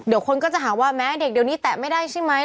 เดี๋ยวคนก็จะหาว่าแม้เด็กเดี๋ยวนี้แตะไม่ได้ใช่ไหม